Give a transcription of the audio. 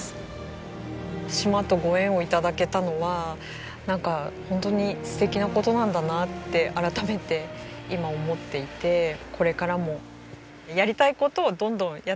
島とご縁を頂けたのは本当に素敵な事なんだなって改めて今思っていてこれからもやりたい事をどんどんやっていきたいです。